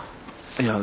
いや。